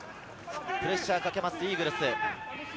プレッシャーをかけます、イーグルス。